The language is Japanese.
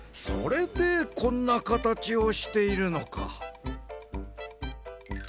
それでこんなかたちをしているのか。